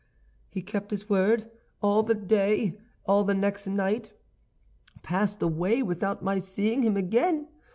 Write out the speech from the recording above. "He kept his word. All the day, all the next night passed away without my seeing him again.